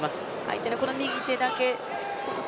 相手の右手だけ。